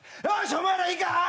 お前らいいか？